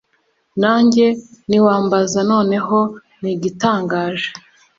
Nange niwambaza noneho nigitangaje